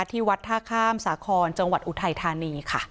ที่วัดท่าข้ามสาครจังหวัดอุทัยธานีค่ะ